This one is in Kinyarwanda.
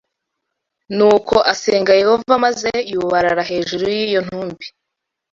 Nuko asenga Yehova maze yubarara hejuru y’iyo ntumbi